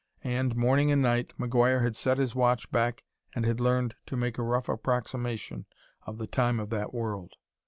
And, morning and night, McGuire had set his watch back and had learned to make a rough approximation of the time of that world.